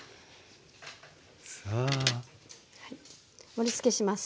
はい盛りつけします。